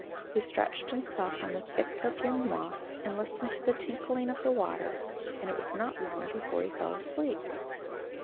He stretched himself on the thick perfumed moss, and listened to the tinkling of the water, and it was not long before he fell asleep.